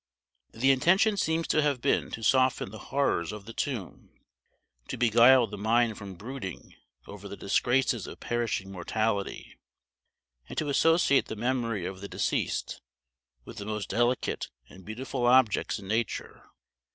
The intention seems to have been to soften the horrors of the tomb, to beguile the mind from brooding over the disgraces of perishing mortality, and to associate the memory of the deceased with the most delicate and beautiful objects in nature.